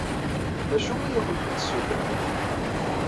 D acu i akent-d-ssutrent?